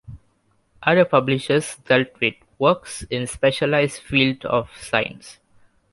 Other publishers dealt with works in specialized fields of science.